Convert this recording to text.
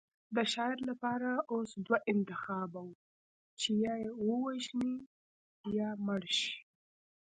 د شاعر لپاره اوس دوه انتخابه وو چې یا ووژني یا مړ شي